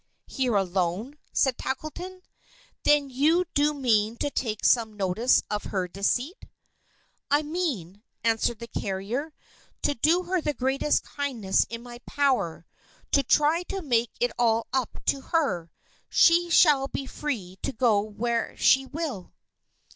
"Here alone?" said Tackleton. "Then you do mean to take some notice of her deceit?" "I mean," answered the carrier, "to do her the greatest kindness in my power to try to make it all up to her. She shall be free to go where she will."